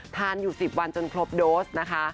ทานอยู่๑๐วันจนครบโดสนะคะ